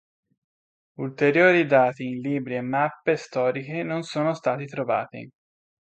Ulteriori dati in libri e mappe storiche non sono stati trovati.